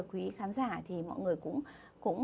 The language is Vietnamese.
quý khán giả thì mọi người cũng